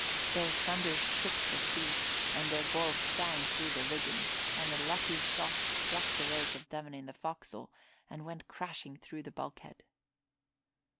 Their thunder shook the sea and their balls sang through the rigging, and a lucky shot struck the Rose of Devon in the forecastle and went crashing through the bulkhead.